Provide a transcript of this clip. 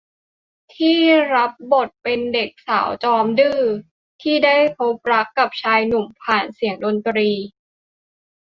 ที่รับบทเป็นเด็กสาวจอมดื้อที่ได้พบรักกับชายหนุ่มผ่านเสียงดนตรี